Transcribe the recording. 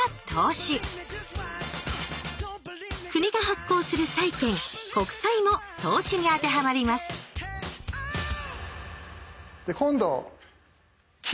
国が発行する債券「国債」も投資に当てはまります今度金。